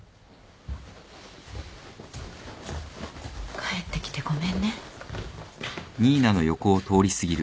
帰ってきてごめんね。